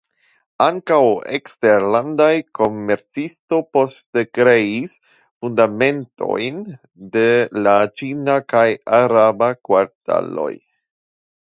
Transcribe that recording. Ankaŭ eksterlandaj komercistoj poste kreis fundamentojn de la ĉina kaj araba kvartaloj.